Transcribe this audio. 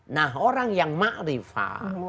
nah orang yang ma'rifah